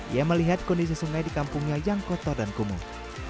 ia melihat kondisi sungai di kampungnya yang kotor dan kumuh